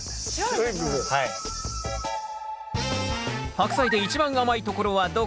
ハクサイで一番甘いところはどこ？